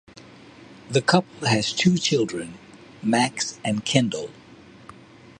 The couple has two children, Max and Kyndall.